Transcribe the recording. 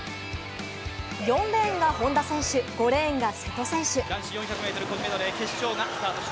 ４レーンが本多選手、５レーンが瀬戸選手。